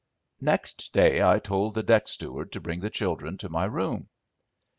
Next day I told the deck steward to bring the children to my room.